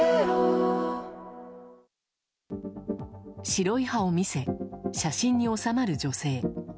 白い歯を見せ写真に納まる女性。